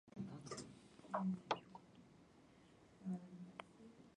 生き方のレシピ